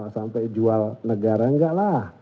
sampai jual negara enggak lah